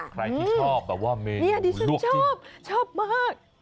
ใครที่ชอบแบบว่าเมนูลวกจิ้มนี่ดิฉันชอบชอบมาก